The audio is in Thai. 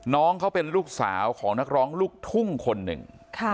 น้องเขาเป็นลูกสาวของนักร้องลูกทุ่งคนหนึ่ง